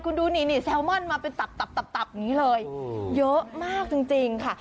คุณดูนี่แซลมอนมาเป็นตับตับอย่างนี้เลยเยอะมากจริงค่ะ